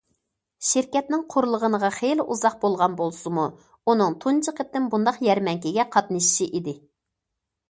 شىركەتنىڭ قۇرۇلغىنىغا خېلى ئۇزاق بولغان بولسىمۇ، ئۇنىڭ تۇنجى قېتىم بۇنداق يەرمەنكىگە قاتنىشىشى ئىدى.